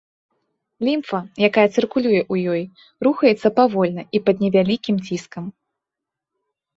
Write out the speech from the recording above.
Лімфа, якая цыркулюе ў ёй, рухаецца павольна і пад невялікім ціскам.